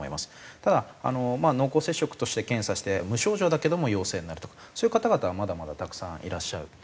ただ濃厚接触として検査して無症状だけども陽性になるとかそういう方々はまだまだたくさんいらっしゃる。